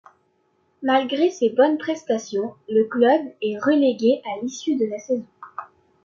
Malgré ses bonnes prestations, le club est relégué à l'issue de la saison.